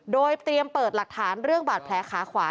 โดยเตรียมเปิดหลักฐานเรื่องบาดแผลขาขวา